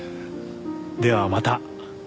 ではまた。